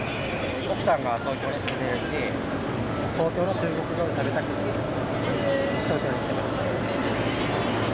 奥さんが東京に住んでるんで、東京の中国料理を食べたくて東京に来ました。